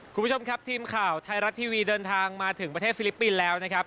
คุณผู้ชมครับทีมข่าวไทยรัฐทีวีเดินทางมาถึงประเทศฟิลิปปินส์แล้วนะครับ